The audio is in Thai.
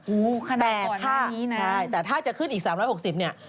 อู๋ขนาดก่อนแบบนี้นะใช่แต่ถ้าจะขึ้นอีก๓๖๐บาท